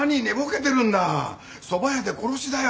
そば屋で殺しだよ！